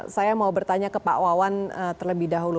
saya mau bertanya ke pak wawan terlebih dahulu